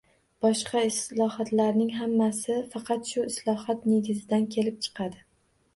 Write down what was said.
Boshqa islohotlarning hammasi faqat shu islohot negizidan kelib chiqadi.